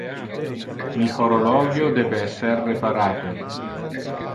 Mi horologio debe esser reparate.